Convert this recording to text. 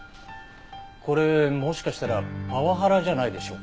これもしかしたらパワハラじゃないでしょうか？